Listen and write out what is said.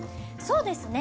そうですね。